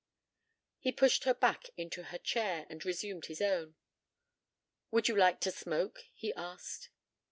He pushed her back into her chair, and resumed his own. "Would you like to smoke?" he asked.